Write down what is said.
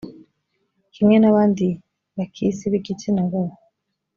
kimwe n’abandi bakisi b’igitsina gabo